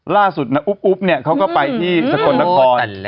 ล่าสุดนะอุ๊บเขาก็ไปที่สะกดละคร